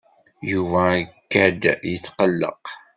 Yuba ikad-d yetqelleq.